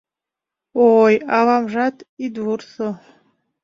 Ой, авамжат, ит вурсо: